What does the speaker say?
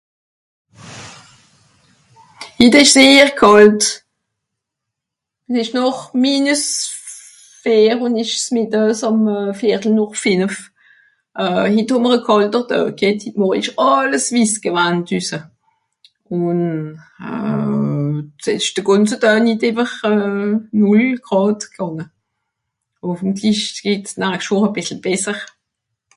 hit esch sehr kàlt n'esch noch minus vier un esch's mìtdaa um viertel noch fìnnef euh hit hàmmer a kàlter Daa k'hett hit morje esch àlles wiss gewann düsse euh s'esch de ganze Daa nìt ewer euh... gràd gange hoffentlich geht's nachst woch a bissle besser